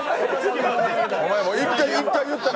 座れ、お前、１回言ったる。